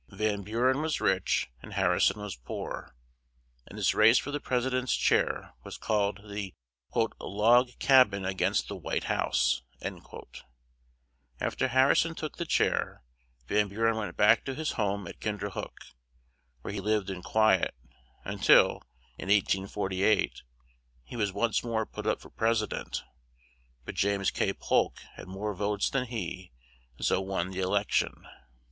Van Bu ren was rich, and Har ri son was poor; and this race for the pres i dent's chair was called the "Log Cab in a gainst the White House." Af ter Har ri son took the chair, Van Bu ren went back to his home at Kin der hook, where he lived in qui et, until, in 1848, he was once more put up for pres i dent; but James K. Polk had more votes than he, and so won the e lec tion.